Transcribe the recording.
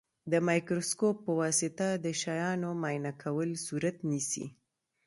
د مایکروسکوپ په واسطه د شیانو معاینه کول صورت نیسي.